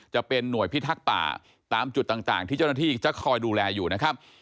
จะเป็นหน่วยพิทักษ์ป่าตามจุดต่างที่เจ้าหน้าที่จะคอยดูแลอยู่นะครับ